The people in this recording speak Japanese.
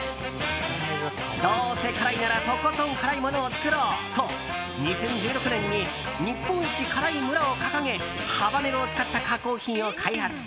どうせ辛いならとことん辛い物を作ろうと２０１６年に日本一辛い村を掲げハバネロを使った加工品を開発。